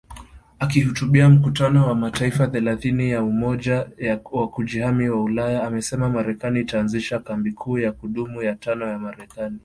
Akihutubia mkutano wa mataifa thelathini ya Umoja wa Kujihami wa Ulaya, amesema Marekani itaanzisha kambi kuu ya kudumu ya tano ya Marekani